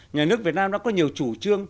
nhà nước việt nam đã có nhiều chủ trương